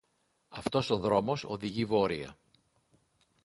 Αυτός ο δρόμος οδηγεί βόρεια.